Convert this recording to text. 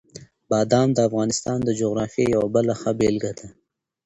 بادام د افغانستان د جغرافیې یوه بله ښه بېلګه ده.